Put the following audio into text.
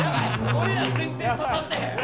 俺ら全然刺さってへん！